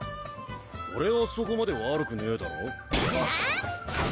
俺はそこまで悪くねえだろあっ？